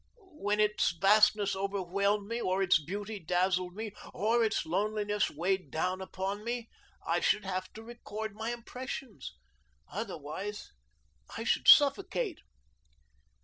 When its vastness overwhelmed me, or its beauty dazzled me, or its loneliness weighed down upon me, I should have to record my impressions. Otherwise, I should suffocate."